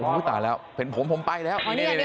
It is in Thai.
เออเป็นผมผมไปแล้ว